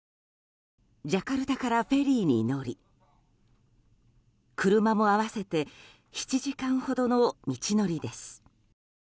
ジャカルタからフェリーに乗り車も合わせて７時間ほどの道のりです。